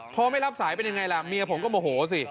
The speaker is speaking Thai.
พอไม่รับสายเป็นยังไงล่ะเมียผมก็โมโหสิ